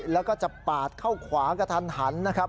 แล้วก็จะปาดเข้าขวากระทันหันนะครับ